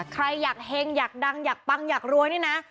ใครอยากเฮงอยากดังอยากปังอยากรวยนี่นะ